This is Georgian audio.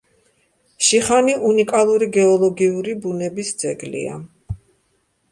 შიხანი უნიკალური გეოლოგიური ბუნების ძეგლია.